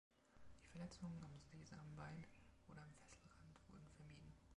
Die Verletzungen am Sesambein oder am Fesselrand wurden vermieden.